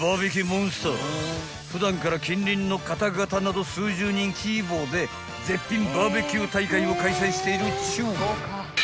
モンスター普段から近隣の方々など数十人規模で絶品バーベキュー大会を開催しているっちゅう］